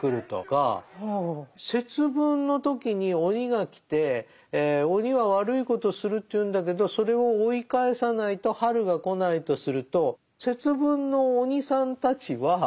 節分の時に鬼が来て鬼は悪いことをするというんだけどそれを追い返さないと春が来ないとすると節分の鬼さんたちは。